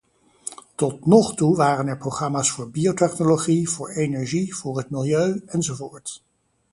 Tot nog toe waren er programma's voor biotechnologie, voor energie, voor het milieu, enzovoort.